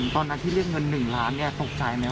ตอนนั้นที่เลือกเงิน๑ล้านค่ะตกใจไหมว่า